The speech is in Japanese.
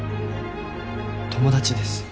友達です。